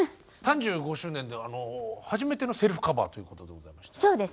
３５周年で初めてのセルフカバーということで。